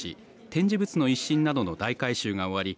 展示物の一新などの大改修が終わり